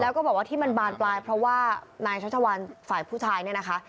แล้วก็บอกว่าที่มันบานปลายเพราะว่านายชัชวัลฝ่ายผู้ชายเนี่ยนะคะ